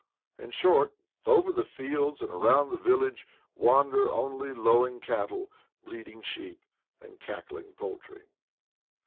In short, over the fields and around the village wander only lowing cattle, bleating sheep, and cackling poultry.